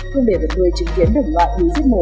không để vật nuôi chứng kiến đồng loại bị giết mổ